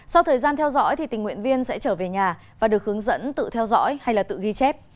sau thời gian theo dõi tình nguyện viên sẽ trở về nhà và được hướng dẫn tự theo dõi hay tự ghi chép